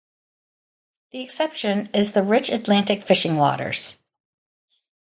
The exception is the rich Atlantic fishing waters.